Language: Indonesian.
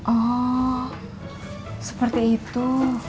oh seperti itu